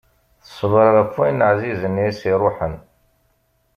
Teṣber ɣef wayen ɛzizen i as-iruḥen.